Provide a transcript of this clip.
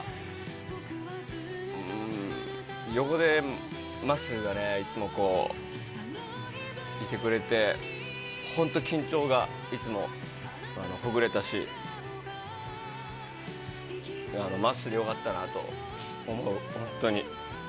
横でまっすーがね、いつもこう、いてくれて、本当、緊張がいつもほぐれたし、まっすーでよかったなと思う、本当に。